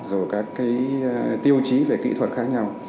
rồi các cái tiêu chí về kỹ thuật khác nhau